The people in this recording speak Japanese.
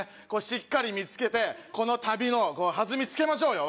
しっかり見つけてこの旅のはずみつけましょうよ